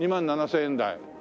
２万７０００円台。